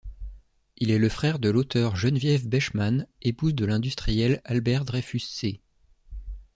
Il est le frère de l'auteur Geneviève Bechmann, épouse de l'industriel Albert Dreyfus-Sée.